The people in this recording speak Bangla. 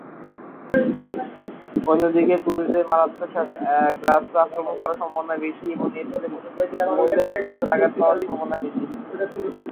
অন্যদিকে, পুরুষদের মারাত্মক গার্হস্থ্য আক্রমণ করার সম্ভাবনা বেশি, এবং এর ফলে মহিলারা গুরুতর আঘাত পাওয়ার সম্ভাবনা বেশি।